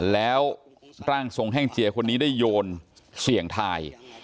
แล้วร่างทรงแห้งเจียคนนี้ได้โยนเสี่ยงทาย